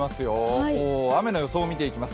雨の予想を見ていきます。